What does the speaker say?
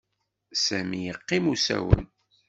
Sami yeqqim usawen.